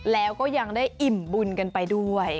แล้วก็ยังได้อิ่มบุญกันไปด้วย